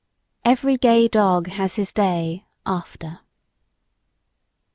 Every gay dog has his day after.